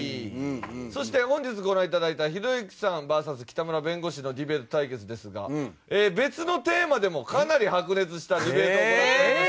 そして本日ご覧頂いたひろゆきさんＶＳ北村弁護士のディベート対決ですが別のテーマでもかなり白熱したディベートを行っておりまして。